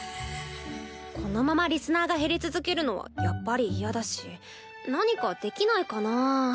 このままリスナーが減り続けるのはやっぱり嫌だし何かできないかなぁ。